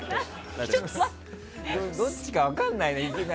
どっちか分からないよね